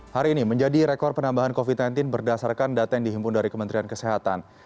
hari ini menjadi rekor penambahan covid sembilan belas berdasarkan data yang dihimpun dari kementerian kesehatan